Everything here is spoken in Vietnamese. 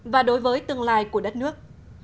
và đối với tương lai của đất nước